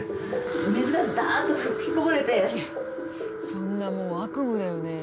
そんなもう悪夢だよね。